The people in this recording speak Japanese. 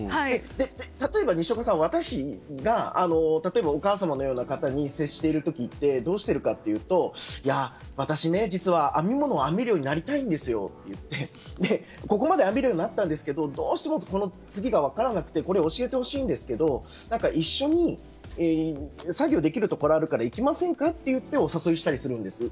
例えば、にしおかさん、私がお母様のような方に接している時ってどうしているかというと私ね、実は編み物を編めるようになりたいんですよと言ってここまで編めるようになったんですけどどうしても次が分からなくて教えてほしいんですけど一緒に作業できるところあるから行きませんかって言ってお誘いしたりするんです。